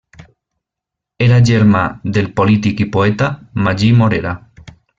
Era germà del polític i poeta Magí Morera.